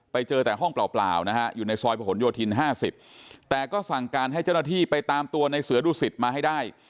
ไปเจอแต่ห้องเปล่านะฮะอยู่ในซอยประหลโยธิน๕๐แต่ก็สั่งการให้เจ้าหน้าที่ไปตามตัวในเสือดุสิตมาให้ได้